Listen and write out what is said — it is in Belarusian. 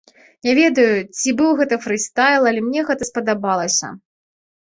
Не ведаю, ці быў гэта фрыстайл, але мне гэта спадабалася.